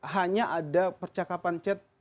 hanya ada percakapan chat